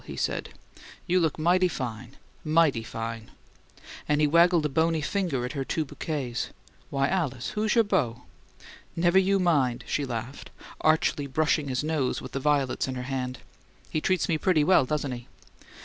he said. "You look mighty fine MIGHTY fine!" And he waggled a bony finger at her two bouquets. "Why, Alice, who's your beau?" "Never you mind!" she laughed, archly brushing his nose with the violets in her hand. "He treats me pretty well, doesn't he?"